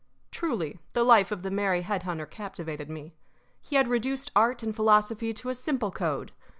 Truly, the life of the merry head hunter captivated me. He had reduced art and philosophy to a simple code.